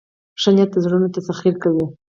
ښه نیت د زړونو تسخیر کوي.